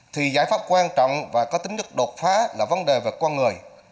thì giải pháp quan trọng và có tính chất đột phá là vấn đề về con người